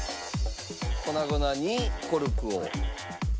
粉々にコルクを。